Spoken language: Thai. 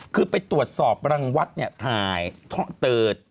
คือไปตรวจสอบรังวัดถ่ายเทาะเติด